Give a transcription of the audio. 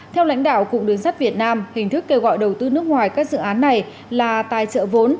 theo lãnh đạo cục đường sắt việt nam hình thức kêu gọi đầu tư nước ngoài các dự án này là tài trợ vốn